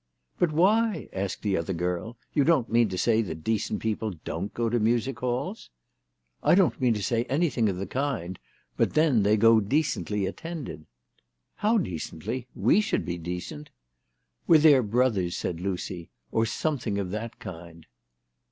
"But why?" asked the other girl. "You don't mean to say that decent people don't go to Music Halls?" " I don't mean to say anything of the kind, but then they go decently attended." " How decently ? We should be decent." " With their brothers," said Lucy ;" or something of that kind."